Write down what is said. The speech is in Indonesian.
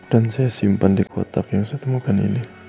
dan saya simpan di kotak yang saya temukan ini